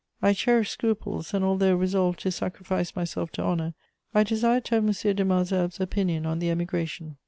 I cherished scruples, and, although resolved to sacrifice myself to honour, I desired to have M. de Malesherbes' opinion on the emigration.